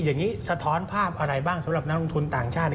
อย่างนี้สะท้อนภาพอะไรบ้างสำหรับนักลงทุนต่างชาติ